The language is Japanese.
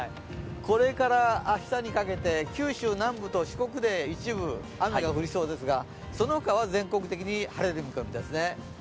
これから明日にかけて九州南部と四国で一部、雨が降りそうですがそのほかは全国的に晴れる見込みです。